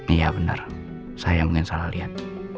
iya benar saya mungkin salah lihat